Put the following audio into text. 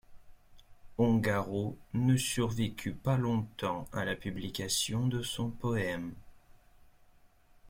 Ongaro ne survécut pas longtemps à la publication de son poème.